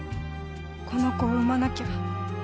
この子を産まなきゃ。